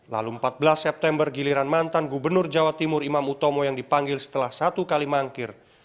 lalu empat belas september giliran mantan gubernur jawa timur imam utomo yang dipanggil setelah satu kali mangkir